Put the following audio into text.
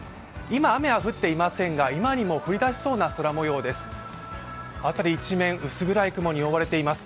今、雨は降っていませんが、今にも降りだしそうな空もようです。